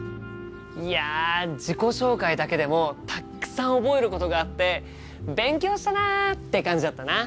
いや自己紹介だけでもたくさん覚えることがあって勉強したなって感じだったな！